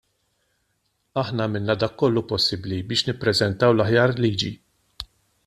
Aħna għamilna dak kollu possibbli biex nippreżentaw l-aħjar liġi.